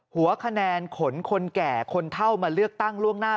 หัวคะแนนขนคนแก่คนเท่ามาเลือกตั้งล่วงหน้า